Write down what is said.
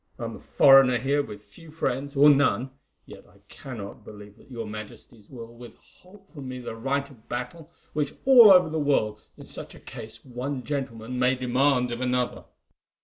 I am a foreigner here with few friends, or none, yet I cannot believe that your Majesties will withhold from me the right of battle which all over the world in such a case one gentleman may demand of another.